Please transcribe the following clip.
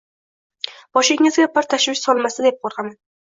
Boshingizga bir tashvish solmasa deb qo‘rqaman.